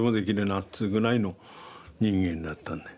っつうぐらいの人間だったんだよ。